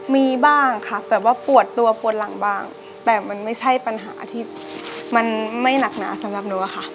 มีบ้างค่ะแบบว่าปวดตัวปวดหลังบ้างแต่มันไม่ใช่ปัญหาที่มันไม่หนักหนาสำหรับหนูอะค่ะ